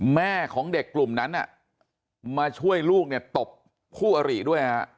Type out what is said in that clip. แม่ของเด็กกลุ่มนั้นมาช่วยลูกเนี่ยตบคู่อริด้วย